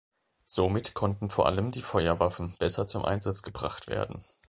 Somit konnten vor allem die Feuerwaffen besser zum Einsatz gebracht werden.